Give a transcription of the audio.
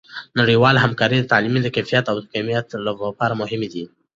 نړیوالې همکارۍ د تعلیم د کیفیت او کمیت لپاره مهمې دي.